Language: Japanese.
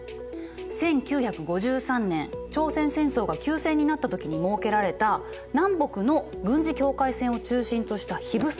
１９５３年朝鮮戦争が休戦になった時に設けられた南北の軍事境界線を中心とした非武装地帯。